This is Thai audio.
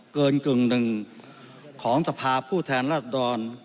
กึ่งหนึ่งของสภาพผู้แทนรัศดร